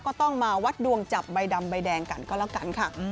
ก็ต้องมาวัดดวงจับใบดำใบแดงกันก็แล้วกันค่ะ